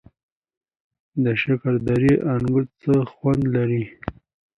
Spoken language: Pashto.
د شکردرې انګور څه خوند لري؟